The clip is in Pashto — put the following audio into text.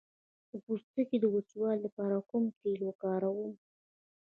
د پوستکي د وچوالي لپاره کوم تېل وکاروم؟